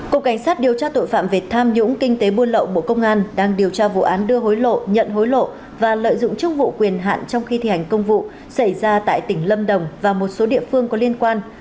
cục cảnh sát điều tra tội phạm về tham nhũng kinh tế buôn lậu bộ công an đang điều tra vụ án đưa hối lộ nhận hối lộ và lợi dụng chức vụ quyền hạn trong khi thi hành công vụ xảy ra tại tỉnh lâm đồng và một số địa phương có liên quan